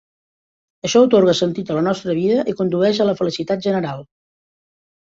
Això atorga sentit a la nostra vida i condueix a la felicitat general.